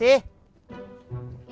yang di atas